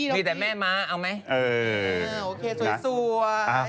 มีแต่แม่มา